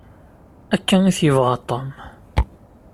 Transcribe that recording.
Akka i t-yebɣa Tom.